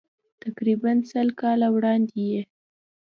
تقریباً سل کاله وړاندې یې.